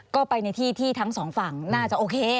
ก็ไปในที่ที่ทั้งสองฝั่งน่าจะโอเค